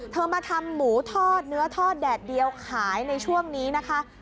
มาทำหมูทอดเนื้อทอดแดดเดียวขายในช่วงนี้นะคะ